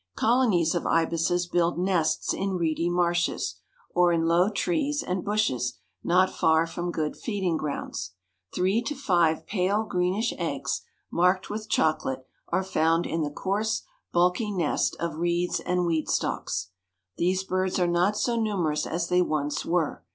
Colonies of ibises build nests in reedy marshes, or in low trees and bushes not far from good feeding grounds. Three to five pale greenish eggs, marked with chocolate, are found in the coarse, bulky nest of reeds and weed stalks. These birds are not so numerous as they once were.